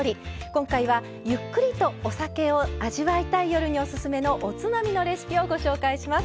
今回は、ゆっくりとお酒を味わいたい夜にオススメのおつまみのレシピをご紹介します。